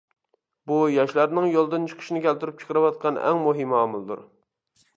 بۇ ياشلارنىڭ يولدىن چىقىشىنى كەلتۈرۈپ چىقىرىۋاتقان ئەڭ مۇھىم ئامىلدۇر.